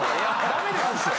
ダメですよ。